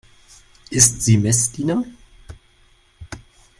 Ist sie Messdiener?